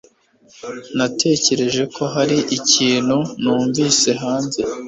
Natekereje ko hari ikintu numvise hanze.